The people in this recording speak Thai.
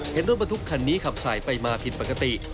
เห็นรถบรรทุกคันนี้ขับสายไปมาผิดปกติ